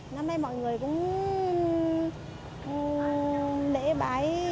năm nay mọi người cũng lễ bái